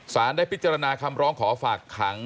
ได้พิจารณาคำร้องขอฝากขัง